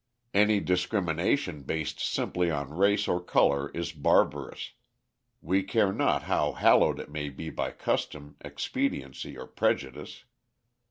Any discrimination based simply on race or colour is barbarous, we care not how hallowed it be by custom, expediency, or prejudice.